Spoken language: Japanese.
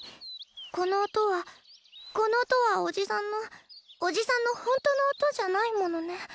この音はこの音はおじさんのおじさんのほんとの音じゃないものね。